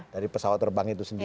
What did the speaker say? dari pesawat terbang itu sendiri